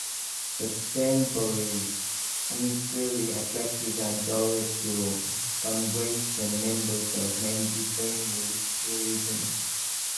The temple is uniquely attractive and tolerant to congregation members of many different religions.